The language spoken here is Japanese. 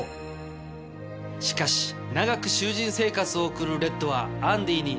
しかし長く囚人生活を送るレッドはアンディーに。